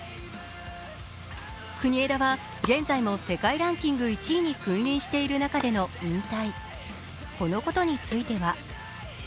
国枝は現在も世界ランキング１位に君臨している中での引退。